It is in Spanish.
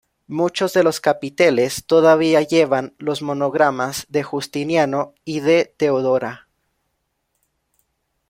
Muchos de los capiteles todavía llevan los monogramas de Justiniano y de Teodora.